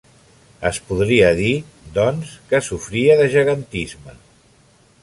Es podria dir, doncs, que sofria de gegantisme.